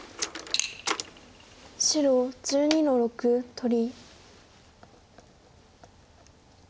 白１２の六取り。